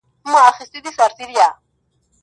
زه چي الله څخه ښكلا په سجده كي غواړم.